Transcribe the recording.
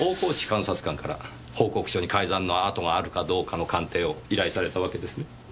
監察官から報告書に改ざんの跡があるかどうかの鑑定を依頼されたわけですね？